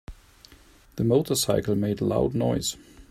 The motorcycle made loud noise.